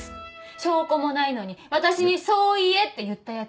証拠もないのに私にそう言えって言ったやつ。